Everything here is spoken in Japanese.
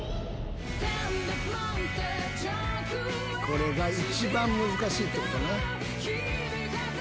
これが一番難しいってことね。